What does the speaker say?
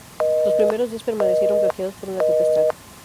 Los primeros días permanecieron bloqueados por una tempestad.